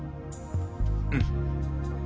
うん。